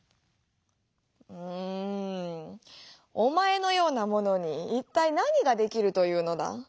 「うんおまえのようなものにいったいなにができるというのだ？」。